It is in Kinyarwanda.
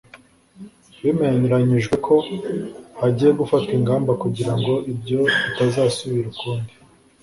bemeranyijwe ko hagiye gufatwa ingamba kugira ngo ibyo bitazasubira ukundi